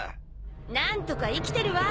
何とか生きてるわ。